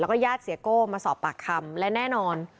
แล้วก็ญาติเสียโก้มาสอบปากคำและแน่นอน